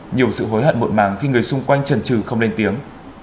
nhiều sự hối hận muộn màng khi người xung quanh trần trừ không lên tiếng